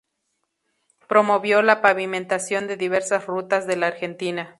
Promovió la pavimentación de diversas rutas de la Argentina.